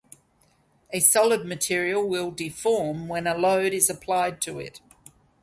A solid material will deform when a load is applied to it.